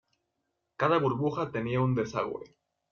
Cada burbuja tenía un desagüe.